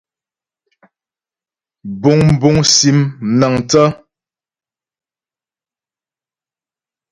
Buŋbuŋ sim mnaəŋthə́.